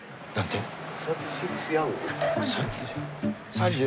３０。